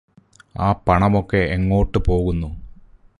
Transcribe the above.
ആ പണമൊക്കെ എങ്ങോട്ട് പോകുന്നു